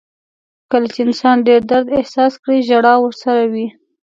• کله چې انسان ډېر درد احساس کړي، ژړا ورسره وي.